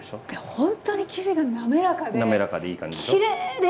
ほんとに生地が滑らかで。